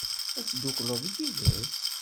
Ad teddukleḍ yid-s?